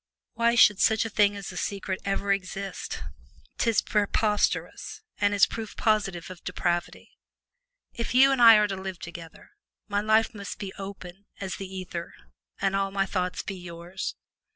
Why should such a thing as a secret ever exist? 'Tis preposterous, and is proof positive of depravity. If you and I are to live together, my life must be open as the ether and all my thoughts be yours.